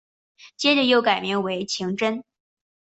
接着又改名为晴贞。